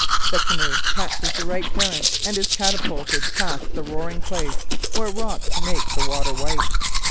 The canoe catches the right current and is catapulted past the roaring place where rocks make the water white.